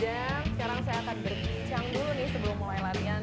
dan sekarang saya akan berbicara dulu nih sebelum mulai latihan